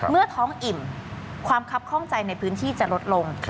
เมื่อท้องอิ่มความคับข้องใจในพื้นที่จะลดลง